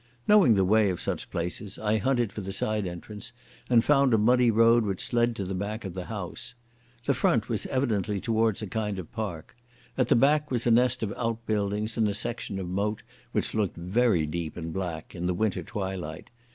Knowing the way of such places, I hunted for the side entrance and found a muddy road which led to the back of the house. The front was evidently towards a kind of park; at the back was a nest of outbuildings and a section of moat which looked very deep and black in the winter twilight.